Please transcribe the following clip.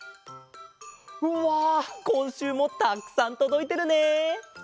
うわこんしゅうもたくさんとどいてるね。